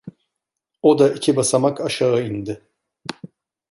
O da iki basamak aşağı indi.